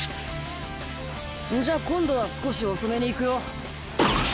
んじゃ今度は少し遅めにいくよ。